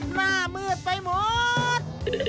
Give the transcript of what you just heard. หน้ามืดไปหมด